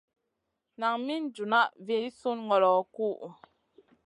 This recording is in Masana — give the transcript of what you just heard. Nan min junʼna vi sùnŋolo kuhʼu.